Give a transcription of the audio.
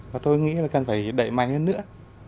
và tôi nghĩ là cần phải đẩy mạnh hơn nữa